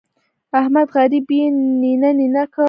احمد غريب يې نينه نينه کړ.